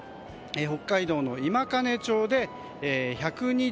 北海道の今金町で１２４．５ミリ